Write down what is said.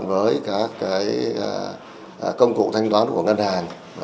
với các công cụ thanh toán của ngân hàng